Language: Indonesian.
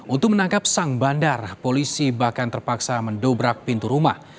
untuk menangkap sang bandar polisi bahkan terpaksa mendobrak pintu rumah